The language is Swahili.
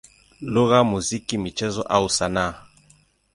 lugha, muziki, michezo au sanaa.